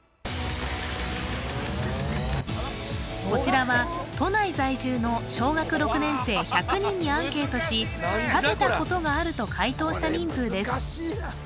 こちらは都内在住の小学６年生１００人にアンケートし食べたことがあると回答した人数です